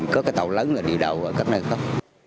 có cái tàu lớn là đi đầu ở các nơi khác